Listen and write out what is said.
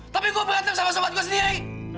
tapi gue berantem sama sama gue sendiri